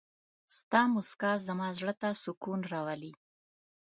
ستا مسکا زما زړه ته سکون راولي.